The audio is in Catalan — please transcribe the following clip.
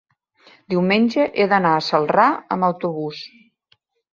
diumenge he d'anar a Celrà amb autobús.